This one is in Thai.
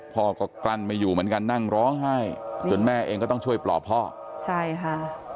พ่อก็กลั้นไม่อยู่เหมือนกันนั่งร้องไห้จนแม่เองก็ต้องช่วยปลอบพ่อใช่ค่ะ